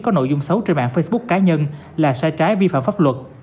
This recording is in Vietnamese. có nội dung xấu trên mạng facebook cá nhân là sai trái vi phạm pháp luật